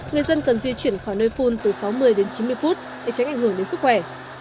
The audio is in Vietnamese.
người dân cần di chuyển khỏi nơi phun từ sáu mươi đến chín mươi phút để tránh ảnh hưởng đến sức khỏe